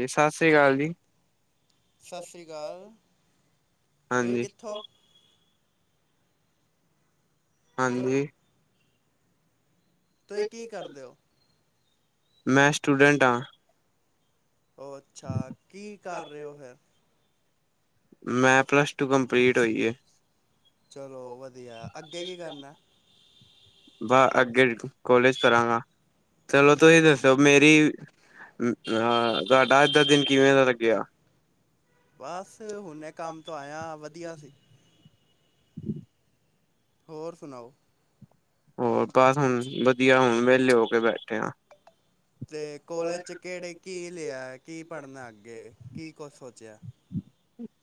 ਜ ਸਤਿ ਸ਼੍ਰੀ ਅਕਾਲ ਜੀ। ਸਤਿ ਸ਼੍ਰੀ ਅਕਾਲ, ਤੁਸੀਂ ਹਾਂਜੀ ਕਿੱਥੋਂ? ਤ ਹਾਂਜੀ। ਤੁਸੀਂ ਕੀ ਕਰਦੇ ਹੋ? ਮੈਂ ਸਟੂਡੈਂਟ ਹਾਂ। ਉਹ ਅੱਛਾ, ਕੀ ਕਰ ਰਹੇ ਹੋ ਫੇਰ? ਮੈਂ ਪਲੱਸ ਟੂ ਕੰਪਲੀਟ ਹੋਈ ਏ। ਚਲੋ ਵਧੀਆ ਅੱਗੇ ਕੀ ਕਰਨਾ? ਬ ਅੱਗੇ ਕੋਲੇਜ ਕਰਾਂਗਾ। ਚਲੋ ਤੁਸੀਂ ਦੱਸੋ ਮੇਰੀ, ਅ ਤੁਹਾਡਾ ਅੱਜ ਦਾ ਦਿਨ ਕਿਵੇਂ ਦਾ ਲੱਗਿਆ? ਬਸ ਹੁਣ ਮੈਂ ਕੰਮ ਤੋਂ ਆਇਆ ਵਧੀਆ ਸੀ। ਹੋਰ ਸੁਣਾਓ? ਹੋਰ ਬਸ ਹੁਣ ਵਧੀਆ ਹੁਣ ਵੇਹਲੇ ਹੋ ਕੇ ਬੈਠੇ ਆ। ਤੇ ਕੋਲਜ 'ਚ ਕਿਹੜੇ ਕੀ ਲਿਆ, ਕੀ ਪੜਨਾ ਅੱਗੇ, ਕੀ ਕੁਛ ਸੋਚਿਆ?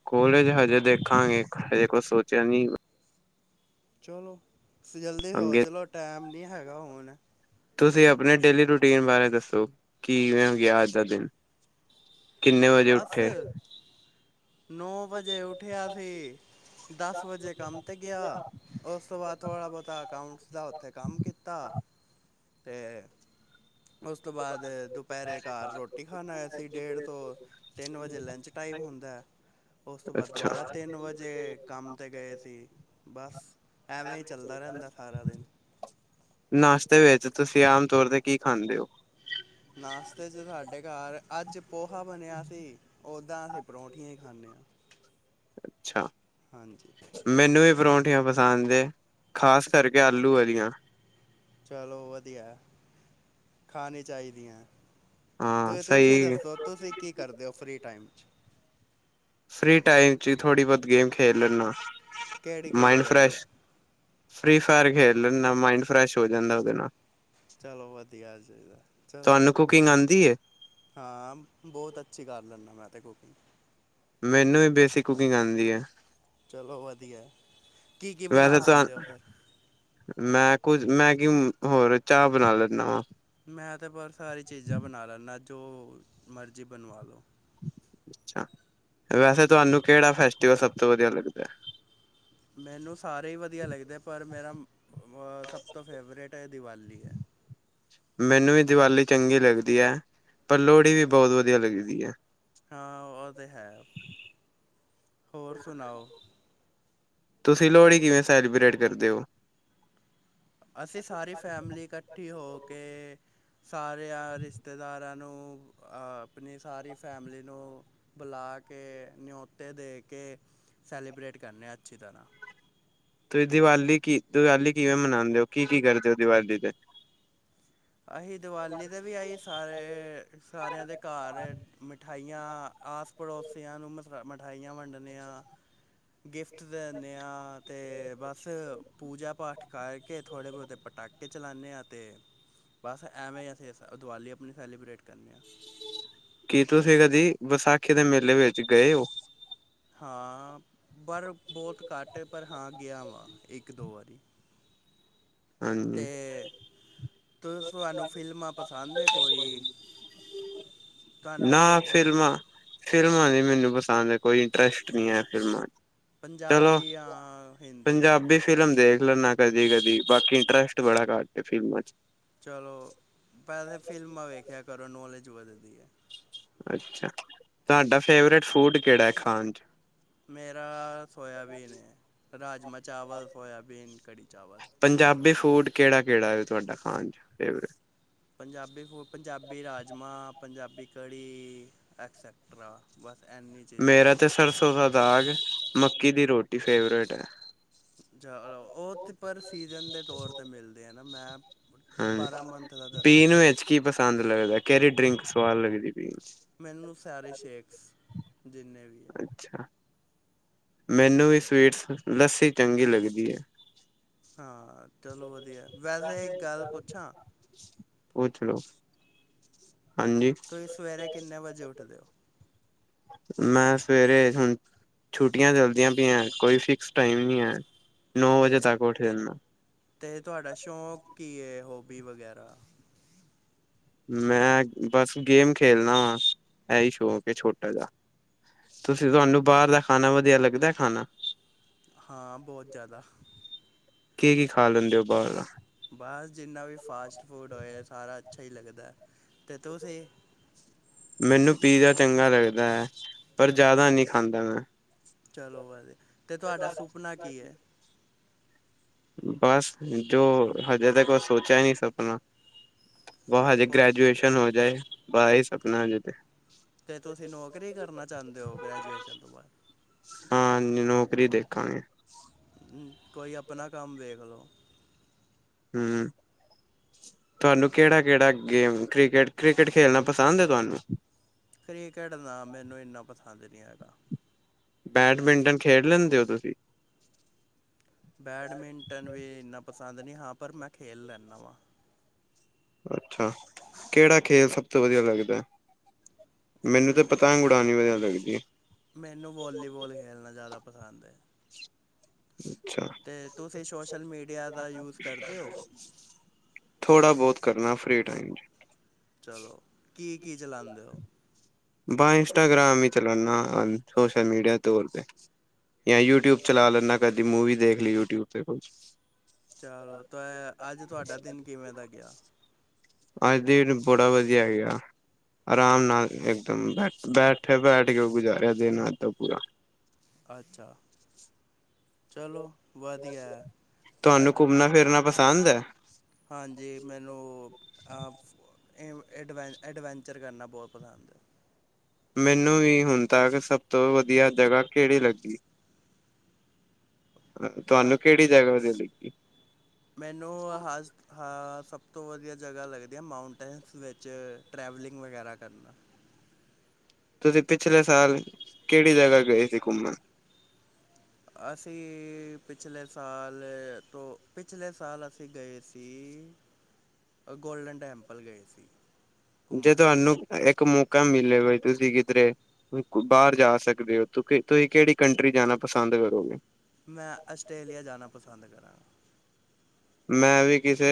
ਕੋਲੇਜ ਹਜੇ ਦੇਖਾਂਗੇ ਹਜੇ ਕੂਛ ਸੋਚਿਆ ਨੀ। ਚਲੋ ਜਲਦੀ ਅੱਗੇ ਸੋਚ ਲੋ ਟਾਈਮ ਨਹੀਂ ਹੈਗਾ ਹੁਣ। ਤੁਸੀਂ ਆਪਣੇ ਡੇਲੀ ਰੂਟੀਨ ਬਾਰੇ ਦੱਸੋ, ਕਿਵੇਂ ਗਿਆ ਅੱਜ ਦਾ ਦਿਨ? ਕਿੰਨੇ ਵਜੇ ਉੱਠੇ? ਨੌਂ ਵਜੇ ਉੱਠਿਆ ਸੀ, ਦਸ ਵਜੇ ਕੰਮ 'ਤੇ ਗਿਆ। ਉਸ ਤੋਂ ਬਾਅਦ ਥੋੜਾ ਬੋਤਾ ਅਕਾਊਂਟਸ ਦਾ ਉੱਥੇ ਕੰਮ ਕੀਤਾ। ਤੇ, ਉਸ ਤੋਂ ਬਾਅਦ ਦੁਪਹਿਰੇ ਘਰ ਰੋਟੀ ਖਾਣ ਆਯਾ ਸੀ, ਡੇਢ ਤੋਂ ਤਿੰਨ ਵਜੇ ਲੰਚ ਟਾਈਮ ਹੁੰਦਾ। ਉਸ ਤੋਂ ਬਾਅਦ ਅੱਛਾ ਦੁਬਾਰਾ ਤਿੰਨ ਵਜੇ ਕੰਮ 'ਤੇ ਗਏ ਸੀ ਬਸ। ਐਵੇਂ ਹੀ ਚੱਲਦਾ ਰਹਿੰਦਾ ਸਾਰਾ ਦਿਨ। ਨਾਸ਼ਤੇ ਵਿੱਚ ਤੁਸੀਂ ਆਮ ਤੌਰ ਤੇ ਕੀ ਖਾਂਦੇ ਹੋ? ਨਾਸਤੇ ਚ ਸਾਡੇ ਘਰ ਅੱਜ ਪੋਹਾ ਬਣਿਆ ਸੀ। ਉੱਦਾਂ ਅਸੀਂ ਪਰੌਂਠੀਆਂ ਹੀ ਖਾਂਨੇ ਹਾਂ। ਅੱਛਾ। ਹਾਂਜੀ। ਮੈਨੂੰ ਵੀ ਪਰੌਂਠੀਆਂ ਪਸੰਦ ਏ, ਖ਼ਾਸ ਕਰਕੇ ਆਲੂ ਵਾਲੀਆਂ। ਚਲੋ ਵਧੀਆ, ਖਾਣੀ ਚਾਹੀਦੀ ਐ। ਹਾਂ ਤੇ ਤੁਸੀਂ ਸਹੀ ਦੱਸੋ, ਤੁਸੀਂ ਕੀ ਕਰਦੇ ਓ ਫ੍ਰਰੀ ਟਾਈਮ'ਚ? ਫ੍ਰੀ ਟਾਈਮ'ਚ ਈ ਥੋੜ੍ਹੀ-ਬਹੁਤ ਗੇਮ ਖੇਲ ਲੇਂਨਾ, ਕਿਹੜੀ ਕਿਹੜੀ ਮਾਈਂਡ ਗੇਮਾਂ ਫਰੈਸ਼ ਫ੍ਰੀ ਫਾਇਰ ਖੇਲ ਲੈਂਨਾ, ਮਾਈਂਡ ਫਰੈਸ਼ ਹੋ ਜਾਂਦਾ ਉਹਦੇ ਨਾਲ। ਚਲੋ ਵਧੀਆ ਚਾਹੀਦਾ, ਚਲੋ। ਤੁਹਾਨੂੰ ਕੁਕਿੰਗ ਆਂਦੀ ਏ? ਹਾਂ, ਬਹੁਤ ਅੱਛੀ ਕਰ ਲੈਂਨਾ, ਮੈਂ ਤੇ ਕੁਕਿੰਗ। ਮੈਨੂੰ ਵੀ ਬੇਸਿਕ ਕੁਕਿੰਗ ਆਂਦੀ ਏ। ਚਲੋ ਵਧੀਆ। ਕੀ-ਕੀ ਬਣਾ ਵੈਸੇ ਤਾਂ ਲੈਂਦੇ ਓ, ਫੇਰ? ਮੈਂ ਕੁਝ, ਮੈਂ ਕਿ ਹੋਰ ਚਾਹ ਬਣਾ ਲੈਂਨਾ ਵਾ। ਮੈਂ ਤਾਂ ਬਰਫ਼ ਵਾਲੀ ਚੀਜ਼ਾਂ ਬਣਾ ਲੈਂਨਾ, ਜੋ ਮਰਜ਼ੀ ਬਣਵਾਲੋ। ਅਛਾ, ਵੈਸੇ ਤੁਹਾਨੂੰ ਕਿਹੜਾ ਫੈਸਟੀਵਲ ਸਭ ਤੋਂ ਵਧੀਆ ਲੱਗਦੈ? ਮੈਨੂੰ ਸਾਰੇ ਈ ਵਧੀਆ ਲੱਗਦੇ, ਪਰ ਮੇਰਾ ਸਭ ਤੋਂ ਫੇਵਰੇਟ ਏ, ਦੀਵਾਲੀ ਐ। ਮੈਨੂੰ ਵੀ ਦਿਵਾਲੀ ਚੰਗੀ ਲੱਗਦੀ ਐ, ਪਰ ਲੋਹੜੀ ਵੀ ਬਹੁਤ ਵਧੀਆ ਲੱਗਦੀ ਐ। ਹਾਂ, ਉਹ ਤੇ ਹੈ, ਹੋਰ ਸੁਣਾਓ? ਤੁਸੀਂ ਲੋਹੜੀ ਕਿਵੇਂ ਸੈਲੀਬ੍ਰੇਟ ਕਰਦੇ ਓ? ਅਸੀਂ ਸਾਰੀ ਫੈਮਲੀ ਇਕੱਠੀ ਹੋਕੇ ਸਾਰਿਆਂ ਰਿਸ਼ਤੇਦਾਰਾਂ ਨੂੰ, ਆਪਣੀ ਸਾਰੀ ਫੈਮਲੀ ਨੂੰ ਬੁਲਾਕੇ ਨਿਓਤੇ ਦੇਕੇ, ਸੈਲੀਬ੍ਰੇਟ ਕਰਨੇ ਆਂ, ਅੱਛੀ ਤਰ੍ਹਾ। ਤੇ ਦੀਵਾਲੀ ਕੀ, ਦੀਵਾਲੀ ਕਿਵੇਂ ਮਨਾਂਨੇ ਓ? ਕੀ-ਕੀ ਕਰਦੇ ਹੋ ਦੀਵਾਲੀ ਤੇ? ਅਹੀ ਦਿਵਾਲੀ ਤੇ ਵੀ ਅਹੀ ਸਾਰੇ, ਸਾਰਿਆਂ ਦੇ ਘਰ ਮਠ ਮਿਠਾਈਆਂ ਆਸ-ਪੜੋਸੀਆਂ ਨੂੰ, ਮਸ ਮਿਠਾਈਆਂ ਵੰਡਨੇ ਆਂ। ਗਿਫਟ ਦਿੰਨੇ ਆਂ, ਤੇ ਬੱਸ ਪੂਜਾ-ਪਾਠ ਖਾਏ ਕੇ, ਥੋੜੇ-ਬਹੁਤੇ ਪਟਾਕੇ ਚਲਾਂਨੇ ਆ, ਤੇ ਬੱਸ ਐਵੇਂ ਅਸੀਂ ਇਸ ਦਿਵਾਲੀ ਆਪਣੀ ਸੈਲੀਬਰੇੇਟ ਕਰਨੇ ਆ। ਕੀ ਤੁਸੀ ਕਦੀ, ਵਿਸਾਖੀ ਦੇ ਮੇਲੇ ਵਿੱਚ ਗਏ ਓ? ਹਾਂ, ਪਰ ਬਹੁਤ ਘੱਟ, ਪਰ ਹਾਂ ਗਿਆ ਵਾਂ, ਇੱਕ-ਦੋ ਵਾਰੀ। ਹਾਂਜੀ ਤੇ, ਤੁ ਤੁਹਾਨੂੰ ਫਿਲਮਾਂ ਪਸੰਦ ਏ, ਕੋਈ? ਤੁਹਾਨੂੰ ਨਾ ਕੇ ਫਿਲਮਾਂ ਫਿਲਮਾਂ ਦੀ ਮੈਨੂੰ ਪਸੰਦ ਏ ਕੋਈ ਇੰਟਰਸਟ ਨਹੀਂ ਏ, ਫਿਲਮਾਂ'ਚ ਚਲੋ ਪੰਜਾਬੀ ਜਾਂ ਹਿੰਦੀ ਪੰਜਾਬੀ ਫ਼ਿਲਮ ਦੇਖ ਲੈਂਨਾ ਕਦੀ-ਕਦੀ, ਬਾਕੀ ਇੰਟਰਸਟ ਬੜਾ ਘੱਟ ਫਿਲਮਾਂ'ਚ। ਚਲੋ, ਪੈਸੇ ਫਿਲਮਾਂ ਵੇਖਿਆ ਕਰੋ ਨੌਲੇਜ ਵੱਧਦੀ ਐ। ਅੱਛਾ, ਤੁਹਾਡਾ ਫੇਵਰੇਟ ਫੂਡ ਕਿਹੜਾ ਏ, ਖਾਣ'ਚ। ਮੇਰਾ ਸੋਇਆਬੀਨ ਹੇ ਰਾਜਮਾਂ-ਚਾਵਲ, ਸੋਇਆਬੀਨ, ਕੜੀ ਚਾਵਲ। ਪੰਜਾਬੀ ਫੂਡ ਕਿਹੜਾ-ਕਿਹੜਾ ਦੇ, ਤੁਹਾਡਾ ਖਾਣ 'ਚ ਫੇਵਰੇਟ? ਪੰਜਾਬੀ ਫੂ, ਪੰਜਾਬੀ ਰਾਜਮਾਂ, ਪੰਜਾਬੀ ਕੜੀ। ਐਕਸੈਟਰਾ, ਬੱਸ ਇੰਨੀ ਚੀਜ਼ਾਂ ਮੇਰਾ ਤੇ ਸਰਸੋਂ ਦਾ ਦਾਗ, ਮੱਕੀ ਦੀ ਰੋਟੀ ਫੇਵਰੇਟ ਐ। ਜਾਂ ਉਹ ਤਾਂ ਪਰ ਸੀਜ਼ਨ ਦੇ ਤੌਰ ਮਿਲਦੇ ਆ ਨਾ, ਮੈਂ ਹਾਂਜੀ ਬਾਰਾਂ ਮੰਥ ਦਾ ਦਸਿਆ ਪੀਣ ਵਿੱਚ ਕੀ ਪਸੰਦ ਲੱਗਦਾ, ਕੇਰੀ ਡਰਿੰਕ ਸਵਾਦ ਲੱਗਦੀ ਪੀਨ'ਚ? ਮੈਨੂੰ ਸਾਰੇ ਸ਼ੇਕਸ, ਜਿੰਨੇ ਵੀ। ਹੈ ਅੱਛਾ। ਮੈਨੂੰ ਵੀ ਸਵੀਟਸ, ਲੱਸੀ ਚੰਗੀ ਲੱਗਦੀ ਐ। ਹਾਂ ਚਲੋ ਵਦੀਆ, ਵੈਸੇ ਇੱਕ ਗੱਲ ਪੁੱਛਾਂ ਪੁੱਛ ਲੋ ਹਾਂਜੀ। ਤੁਸੀਂ ਸਵੇਰੇ ਕਿੰਨੇ ਵਜੇ ਉੱਠਦੇ ਓਂ। ਮੈਂ ਸਵੇਰੇ ਹੁਨ ਛੁੱਟੀਆਂ ਚਲਦੀਆਂ ਪਈ ਐਂ ਕੋਈ ਫਿਕਸ ਟਾਈਮ ਨੀ ਐ, ਨੌ ਵਜੇ ਤੇ ਤੱਕ ਉੱਠ ਜਾਂਨਾ। ਤੇ ਤੁਆਡਾ ਸ਼ੌਕ ਕੀ ਏ ਹੋਬੀ ਵਗੈਰਾ ਮੈਂ ਬਸ ਗੇਮ ਖੇਲਨਾ ਵਾ, ਐਈ ਸ਼ੌਕ ਏ ਛੋਟਾ ਜਾ। ਤੁਸੀਂ ਤਆਨੂੰ ਬਾਰ ਦਾ ਖਾਨਾ ਵਦੀਆ ਲੱਗਦਾ ਖਾਨਾ ਹਾਂ ਬਹੁਤ ਜ਼ਿਆਦਾ ਕੀ-ਕੀ ਖਾ ਲੈਂਦੇ ਓ ਬਾਰ ਦਾ ਬਸ ਜਿੰਨਾ ਵੀ ਫਾਸਟ ਫੂਡ ਹੋਏ ਸਾਰਾ ਅੱਛਾ ਈ ਲੱਗਦਾ, ਤੇ ਤੁਸੀਂ ਮੈਨੂੰ ਪੀਜ਼ਾ ਚੰਗਾ ਲੱਗਦਾ ਐ, ਪਰ ਜਾਦਾ ਨੀ ਖਾਂਦਾ ਮੈਂ। ਚਲੋ ਭਾਜੀ, ਤੇ ਤੁਆਡਾ ਸੁਪਨਾ ਕੀ ਐ। ਬਸ ਜੋ ਹਜੇ ਤੱਕ ਓ ਸੋਚੇਆ ਨੀ ਸਪਨਾ ਬਸ ਹਜੇ ਕੋ ਗ੍ਰੈਜੂਏਸ਼ਨ ਹੋ ਜਾਏ, ਬਸ ਏ ਸਪਨਾ ਹਜੇ ਤੇ। ਤੇ ਤੁਸੀਂ ਨੌਕਰੀ ਕਰਨਾ ਚਾਂਦੇ ਓਂ ਗ੍ਰੈਜੂਏਸ਼ਨ ਤੋਂ ਬਾਦ ਹਾਂ ਜੀ ਨੌਕਰੀ ਦੇਖਾਂਗੇ। ਕੋਈ ਆਪਨਾ ਕੰਮ ਵੇਖ ਲਓ। ਹੂੰ। ਤਆਨੂੰ ਕੇੜਾ-ਕੇੜਾ ਗੇਮ ਕ੍ਰਿਕਟ-ਕ੍ਰਿਕਟ ਖੇਲਨਾ ਪਸੰਦ ਆ ਤਆਨੂੰ। ਕ੍ਰਿਕਟ ਨਾ ਮੈਨੂੰ ਇੰਨਾ ਪਸੰਦ ਨੀ ਹੈਗਾ। ਬੈਡਮਿੰਟਨ ਖੇਡ ਲੈਂਦੇ ਓਂ ਤੁਸੀਂ। ਬੈਡਮਿੰਟਨ ਵੀ ਇੰਨਾ ਪਸੰਦ ਨੀ ਹਾਂ ਪਰ ਮੈਂ ਖੇਲ ਲੈਂਨਾਂ ਵਾਂ। ਅੱਛਾ, ਕੇੜਾ ਖੇਲ ਸਬ ਤੋਂ ਵਦੀਆ ਲੱਗਦਾ। ਮੈਨੂੰ ਤੇ ਪਤੰਗ ਉੜਾਨੀ ਵਦੀਆ ਲੱਗਦੀ ਏ। ਮੈਨੂੰ ਵੋਲੀਬੋਲ ਖੇਲਨਾ ਜਾਦਾ ਪਸੰਦ ਐ। ਹ। ਤੇ ਤੁਸੀਂ ਸੋਸ਼ਲ ਮੀਡੀਆ ਦਾ ਯੂਜ ਕਰਦੇ ਓ। ਥੋੜਾ ਬੋਤ ਕਰਨਾ ਫਰੀ ਟਾਈਮ ਚ। ਚਲੋ ਕੀ-ਕੀ ਚਲਾਂਦੇ ਓਂ। ਬਸ ਇੰਸਟਾਗ੍ਰਾਮ ਈ ਚਲਾਨਾ ਸੋਸ਼ਲ ਮੀਡੀਆ ਤੌਰ ਤੇ। ਜਾਂ ਯੂਟਿਊਬ ਚਲਾ ਲੈਂਨਾ ਕਦੀ ਮੂਵੀ ਦੇਖ ਲਈ ਯੂਟਿਊਬ ਤੇੇ ਕੁਛ ਚਲੋ ਤੈ ਅੱਜ ਤੁਆਡਾ ਦਿਨ ਕਿਵੇਂ ਦਾ ਗੇਆ। ਅੱਜ ਦਿਨ ਬੜਾ ਵਦੀਆ ਗੇਆ। ਆਰਾਮ ਨਾਲ ਇੱਕਦਮ ਬੈਠੇ ਬੈਠ ਕੇ ਗੁਜ਼ਾਰੇਆ ਦਿਨ ਅੱਜ ਦਾ ਪੂਰਾ। ਅੱਛਾ, ਚਲੋ ਵਧੀਆ ਹੈ। ਤਆਨੂੰ ਅ- ਘੁੰਮਨਾ ਫਿਰਨਾ ਪਸੰਦ ਐ। ਹਾਂਜੀ ਮੈਨੂੰ ਅ ਫ ਐਂ ਐਡਵੈਂ ਐਡਵੈਂਚਰ ਕਰਨਾ ਬੋਤ ਪਸੰਦ ਐ। ਮੈਨੂੰ ਵੀ ਹੁਨ ਤੱਕ ਸਬ ਤੋਂ ਵਦੀਆ ਜਗਾ ਕੇੜੀ ਲੱਗੀ ਤੁਆਨੂੰ ਤੁਹਾ ਕੇੜੀ ਜਗਾ ਵਦੀਆ ਲੱਗੀ। ਮੈਨੂੰ ਹਜ ਹਾਂ ਸਬ ਤੋਂ ਵਦੀਆ ਜਗਾ ਲੱਗਦੀ ਆ ਮਾਊਂਟੇਨਸ ਵਿੱਚ ਟਰੈਵਲਿੰਗ ਵਗੈਰਾ ਕਰਨਾ। ਤੁਸੀਂ ਪਿਛਲੇ ਸਾਲ ਕੇੜੀ ਜਗ੍ਹਾ ਗਏ ਸੀ ਘੁੰਮਣ? ਅਸੀਂ ਪਿਛਲੇ ਸਾਲ ਤੋਂ ਪਿਛਲੇ ਸਾਲ ਅਸੀਂ ਗਏ ਸ ਸੀ ਅ ਗੋਲਡਨ ਟੈਂਪਲ ਗਏ ਸੀ। ਜੇ ਘੁੰਮਣ ਤੁਹਾਨੂੰ ਇੱਕ ਮੌਕਾ ਮਿਲੇ ਬ ਤੁਸੀਂ ਕਿਧਰੇ ਬਾਰ ਜਾ ਸਕਦੇ ਹੋ ਤੁਸੀਂ ਕੇੜੀ ਕੰਟਰੀ ਜਾਣਾ ਪਸੰਦ ਕਰੋਗੇ? ਮੈਂ ਆਸਟ੍ਰੇਲੀਆ ਜਾਣਾ ਪਸੰਦ ਕਰਾਂਗਾ। ਮੈਂ ਵੀ ਕਿਸੇ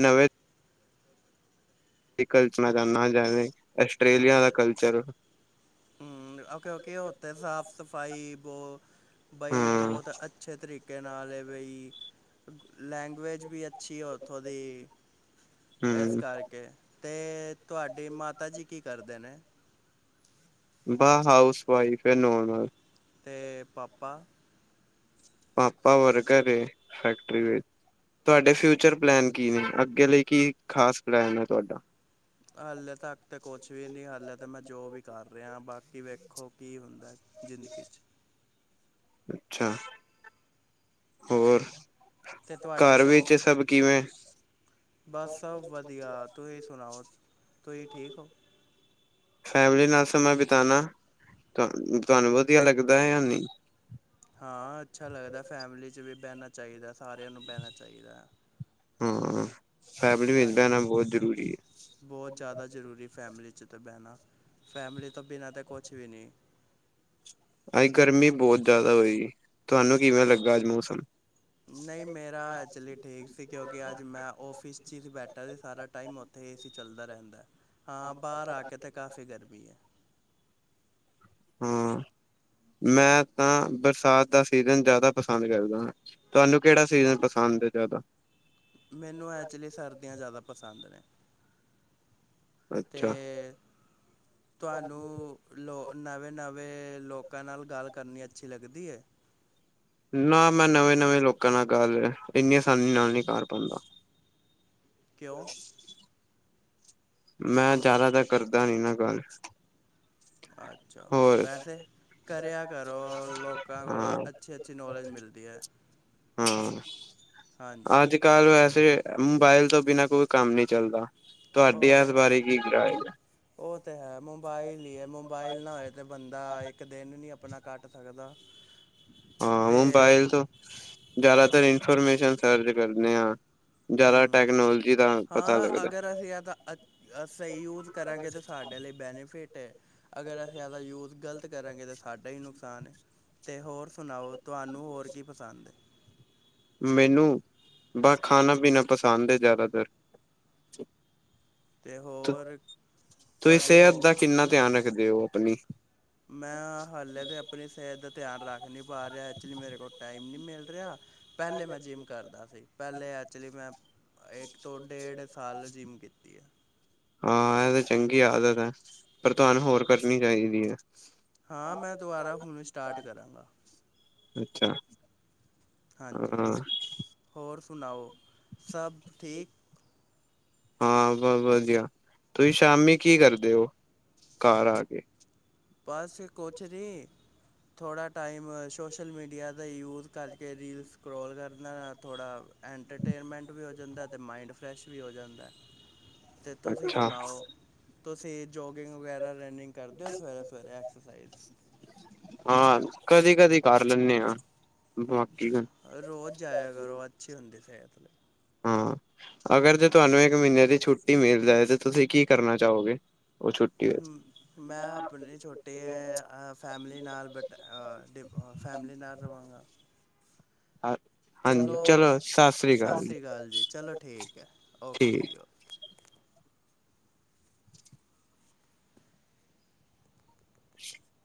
ਨਵੇ ਕਲਚਨਾ ਦਾ ਨਾਲ ਜਾਵੇ ਆਸਟ੍ਰੇਲੀਆ ਦਾ ਕਲਚਰ ਓਕੇ-ਓਕੇ ਐਤੇ ਸਾਫ਼ ਸਫ਼ਾਈ ਬੋ ਬਈ ਹਾਂ ਬੋਹਤ ਅ ਅੱਛੇ ਤਰੀਕੇ ਨਾਲ ਏ ਬਈ ਲੈਂਗੁਏਜ ਵੀ ਅੱਛੀ ਐ ਉੱਥੋਂ ਦੀ। ਏਸ ਹੂੰ। ਕਰਕੇ, ਤੇ ਤੁਹਾਡੀ ਮਾਤਾ ਜੀ ਕੀ ਕਰਦੇ ਨੇ? ਬਾ ਹਾਊਸ ਵਾਈਫ ਏ ਨੋਰਮਲ। ਤੇ ਪਾਪਾ ਪਾਪਾ ਵਰਕਰ ਏ ਫੈਕਟਰੀ ਵਿੱਚ। ਤੁਹਾਡੇ ਫਿਊਚਰ ਪਲੈਨ ਕੀ ਨੇ, ਅੱਗੇ ਲਈ ਕੀ ਖਾਸ ਪਲੈਨ ਏ ਤੁਹਾਡਾ? ਹਾਲੇ ਤੱਕ ਤਾਂ ਕੁਛ ਵੀ ਨੀ ਹਾਲੇ ਤਾਂ ਮੈਂ ਜੋਬ ਵੀ ਕਰ ਰਿਆ ਬਾਕੀ ਵੇਖੋ ਕੀ ਹੁੰਦਾ ਜ਼ਿੰਦਗੀ ਚ। ਅੱਛਾ, ਹੋਰ ਤੇ ਤੁਹਾਡੇ ਘਰ ਸ਼ੌਂਕ? ਵਿੱਚ ਸਭ ਕਿਵੇਂ ਬਸ ਸਭ ਵਧੀਆ ਤੁਈ ਸੁਣਾਓ ਤੁਈ ਠੀਕ ਔ। ਫੈਮਿਲੀ ਨਾਲ ਸਮਾਂ ਬਿਤਾਨਾ, ਤੁਹਾਨੂੰ ਵਧੀਆ ਲੱਗਦਾ ਯਾ ਨਈ। ਹਾਂ ਅੱਛਾ ਲੱਗਦਾ ਫੈਮਿਲੀ ਚ ਵੀ ਬੈਣਾ ਚਾਹੳਦਾ, ਸਾਰਿਆਂ ਨੂੰ ਬੈਣਾ ਚਾਈਦਾ। ਹੂੰ, ਫੈਮਿਲੀ ਵਿੱਚ ਬੈਣਾ ਬੋਤ ਜ਼ਰੂਰੀ ਏ। ਬੋਤ ਜਾਦਾ ਜ਼ਰੂਰੀ ਫੈਮਿਲੀ ਚ ਤੇ ਬੈਣਾ, ਫੈਮਿਲੀ ਤੋਂ ਬਿਨਾਂ ਤੇ ਕੁਛ ਵੀ ਨੀ। ਅੱਜ ਗਰਮੀ ਬੋਤ ਜਾਦਾ ਹੋਈ, ਤੁਹਾਨੂੰ ਕਿਵੇਂ ਲੱਗਾ ਅੱਜ ਮੌਸਮ? ਨਈ ਮੇਰਾ ਐੱਚੁਲੀ ਠੀਕ ਸੀ ਕਿਉਂਕਿ ਅੱਜ ਮੈਂ ਔਫਿਸ ਚ ਹੀ ਬੈਠਾ ਸੀ ਸਾਰਾ ਟਾਈਮ ਉਥੇ ਏ ਸੀ ਚੱਲਦਾ ਰਹਿੰਦਾ ਹਾਂ, ਬਾਰ ਆ ਕੇ ਤੇ ਕਾਫ਼ੀ ਗਰਮੀ ਏ। ਹਾਂ। ਮੈਂ ਤਾਂ ਬਰਸਾਤ ਦਾ ਸੀਜ਼ਨ ਜਾਦਾ ਪਸੰਦ ਕਰਦਾ। ਤੁਹਾਨੂੰ ਕੇੜਾ ਸੀਜਨ ਪਸੰਦ ਏ ਜਾਦਾ? ਮੈਨੂੰ ਐੱਚੁਲੀ ਸਰਦੀਆਂ ਜਾਦਾ ਪਸੰਦ ਨੇ। ਅੱਛਾ ਤੇ ਤੁਹਾਨੂੰ ਲੋ ਨਵੇਂ-ਨਵੇਂ ਲੋਕਾਂ ਨਾਲ ਗੱਲ ਕਰਨੀ ਅੱਛੀ ਲੱਗਦੀ ਏ? ਨਾ ਮੈਂ ਨਵੇਂ-ਨਵੇਂ ਲੋਕਾਂ ਨਾਲ ਗੱਲ ਇੰਨੀ ਆਸਾਨੀ ਨਾਲ ਨੀ ਕਰ ਪਾਂਦਾ। ਕਉਂ? ਮੈਂ ਜਾਦਾਤਰ ਕਰਦਾ ਨੀ ਨਾ ਗੱਲ। ਅੱਛਾ ਹੋਰ ਵੈਸੇ ਕਰਿਆ ਕਰੋ ਲੋਕਾਂ ਕੋਲੋ ਅੱਛੀ-ਅੱਛੀ ਨੌਲੇਜ ਮਿਲਦੀ ਏ। ਹਾਂ ਅਜ ਕਲ ਵੈਸੇ ਮੋਬਾਈਲ ਤੋਂ ਬਿਨਾਂ ਕੋਈ ਕੰਮ ਨੀ ਚਲਦਾ ਤੁਹਾਡ ਉਹ ਤੇ ਹੈ, ਉਹ ਤੇ ਹੈ ਮੋਬਾਈਲ ਈ ਏ, ਮੋਬਾਈਲ ਨਾ ਹੋਏ ਤੇ ਬੰਦਾ ਇੱਕ ਦਿਨ ਨੀ ਅਪਣਾ ਕਟ ਸਕਦਾ। ਹਾਂ ਅਤੇ ਮੋਬਾਈਲ ਤੋਂ ਜਾਦਾਤਰ ਇਨਫੋਰਮੇਸ਼ਨ ਸਰਚ ਕਰਨੇ ਆ। ਜਾਦਾ ਹੂੰ ਟੈਕਨੋਲਜੀ ਹਾਂ ਅਗਰ ਅਸੀ ਏਦਾਂ ਅ ਅ ਸਈ ਯੂਜ਼ ਕਰਾਂਗੇ ਤਾਂ ਸਾਡੇ ਲਈ ਬੈਨੇਫਿਟ ਏ। ਅਗਰ ਅਸੀ ਇਹਦਾ ਯੂਜ਼ ਗਲਤ ਕਰਾਂਗੇ ਤਾਂ ਸਾਡਾ ਈ ਨੁਕਸਾਨ ਏ, ਤੇ ਹੋਰ ਸੁਣਾਓ। ਤੁਆਨੂੰ ਹੋਰ ਕੀ ਪਸੰਦ ਏ? ਮੈਨੂੰ ਬਸ ਖਾਣਾ-ਪੀਣਾ ਪਸੰਦ ਏ ਜ਼ਿਆਦਾਤਰ। ਅਤੇ ਹੋਰ ਤੁਸੀਂ ਤੁਹਾਡੀ ਸੇਹਤ ਹੋ ਦਾ ਕਿੰਨਾ ਧਿਆਨ ਰੱਖਦੇ ਓ ਅਪਣੀ? ਮੈਂ ਹਾਲੇ ਤੇ ਅਪਣੀ ਸੇਹਤ ਦਾ ਧਿਆਨ ਰੱਖ ਨ੍ਹੀਂ ਪਾ ਰਿਆ, ਐੱਕਚੁਲੀ ਮੇਰੇ ਕੋਲ ਟਾਈਮ ਨੀਂ ਮਿਲ ਰਿਆ। ਪੈਲੇ ਮੈਂ ਜਿੰਮ ਕਰਦਾ ਸੀ, ਪੈਲੇ ਐਚੁੱਲੀ ਮੈਂ ਇੱਕ ਤੋਂ ਡੇਢ ਸਾਲ ਜਿੰਮ ਕੀਤੀ ਆ। ਹਾਂ, ਏ ਤਾਂ ਚੰਗੀ ਆਦਤ ਐ, ਪਰ ਤੁਹਾਨੂੰ ਹੋਰ ਕਰਨੀ ਚਾਈਦੀ ਐ। ਹਾਂ, ਮੈਂ ਦੁਬਾਰਾ ਹੁਨ ਸਟਾਰਟ ਕਰਾਂਗਾ। ਅੱਛਾ ਹਾਂਜੀ। ਹਾਂ ਹੋਰ ਸੁਣਾਓ, ਸਭ ਠੀਕ। ਹਾਂ, ਬਸ ਵਧੀਆ। ਤੁਸੀਂ ਸ਼ਾਮੀ ਕੀ ਕਰਦੇ ਓ ਘਰ ਆ ਕੇ? ਬਸ ਕੁਛ ਨੀਂ ਥੋੜਾ ਟਾਈਮ ਸੋਸ਼ਲ ਮੀਡੀਆ ਦਾ ਯੂਜ਼ ਕਰਕੇ ਰੀਲ ਸਕਰੋਲ ਕਰਨਾ, ਥੋੜਾ ਐੰਟਰਟੇਨਮੈਂਟ ਵੀ ਹੋ ਜਾਂਦਾ ਏ ਤੇ ਮਾਈੰਡ ਫਰੈਸ਼ ਵੀ ਹੋ ਜਾਂਦਾ। ਤੇ ਤੁਸੀਂ ਅੱਛਾ ਸੁਣਾਓ। ਤੁਸੀਂ ਜੋਗਿੰਗ ਵਗੈਰਾ, ਰਨਿੰਗ ਕਰਦੇ ਓ ਸਵੇਰੇ। ਘਰੇ ਐਕਸਰਸਾਈਜ਼। ਹਾਂ ਕਦੇ-ਕਦੀ ਕਰ ਲੈਂਦੇ ਆਂ। ਬਾਕੀ ਤਾਂ ਰੋਜ਼ ਜਾਇਆ ਕਰੋ। ਅੱਛੀ ਹੁੰਦੀ ਸੇਤ ਲਈ। ਹਾਂ, ਅਗਰ ਜੇ ਤੁਆਨੂੰ ਇੱਕ ਮਹੀਨੇ ਦੀ ਛੁੱਟੀ ਮਿਲ ਜਾਏ ਤੇ ਤੁਸੀਂ ਕੀ ਕਰਨਾ ਚਾਓਗੇ? ਹਂ। ਮੈਂ ਆਪਣੀ ਛੋਟੀ ਐ ਅ ਫੈਮਿਲੀ ਨਾਲ ਬਟ ਅ ਡਿ ਅ ਫੈਮਿਲੀ ਨਾਲ ਰਵਾਂਗਾ। ਆ ਹਾਂਜੀ, ਚਲੋ, ਸਾਸਰੀ ਕਾਲ ਜੀ। ਕਾਲ ਜੀ। ਚਲੋ ਠੀਕ ਐ, ਠੀਕ ਓਕੇ ਜੀ ਓਕੇ। [inaudible]